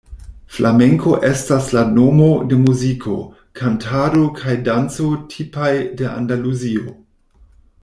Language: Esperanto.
Flamenko estas la nomo de muziko, kantado kaj danco tipaj de Andaluzio.